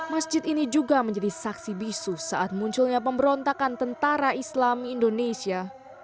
masjid ini juga menjadi saksi bisu saat munculnya pemberontakan tentara islam indonesia